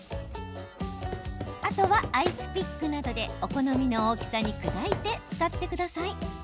あとはアイスピックなどでお好みの大きさに砕いて使ってください。